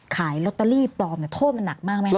ขายลอตเตอรี่ปลอมโทษมันหนักมากไหมคะ